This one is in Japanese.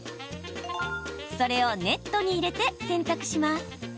それをネットに入れて洗濯します。